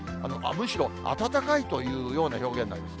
むしろ暖かいというような表現になります。